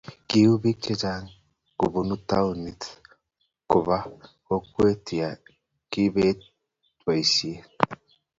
kiuu biik che chang' kobunu townit koba kokwet ya kiibet boisiet